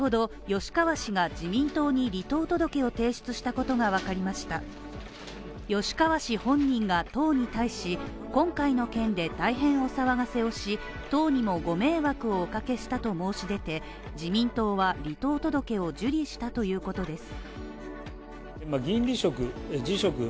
吉川氏本人が党に対し、今回の件で大変お騒がせをし党にもご迷惑をおかけしたと申し出て自民党は、離党届を受理したということです。